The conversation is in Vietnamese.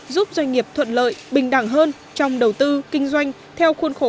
giúp doanh nghiệp thuận lợi bình đẳng hơn trong đầu tư kinh doanh